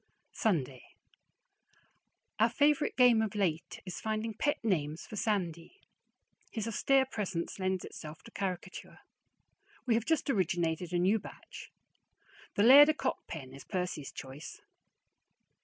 Sunday. Our favorite game of late is finding pet names for Sandy. His austere presence lends itself to caricature. We have just originated a new batch. The "Laird o' Cockpen" is Percy's choice.